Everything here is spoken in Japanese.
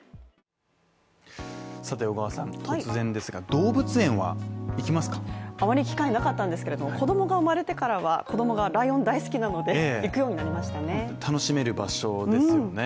さて小川さん、突然ですが動物園はいきますかあまり機会はなかったんですけれども、子供が生まれてからは、子供がライオン大好きなので行くようになりましたね